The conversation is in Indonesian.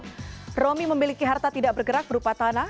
dan juga memiliki harta yang bergerak dengan kota